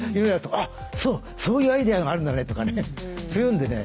あっそうそういうアイデアがあるんだねとかいうんでね